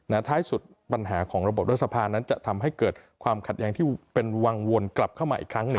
ท้ายสุดปัญหาของระบบรัฐสภานั้นจะทำให้เกิดความขัดแย้งที่เป็นวังวนกลับเข้ามาอีกครั้งหนึ่ง